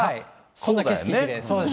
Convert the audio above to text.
そんな景色で。